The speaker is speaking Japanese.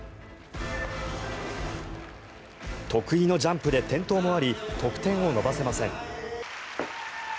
得意のジャンプで転倒もあり得点を伸ばせません。